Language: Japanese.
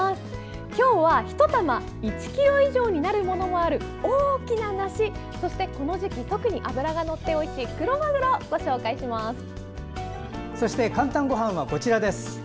今日は、１玉１ｋｇ以上になるものもある大きな梨、そしてこの時期特に脂がのっておいしいそして「かんたんごはん」はこちら。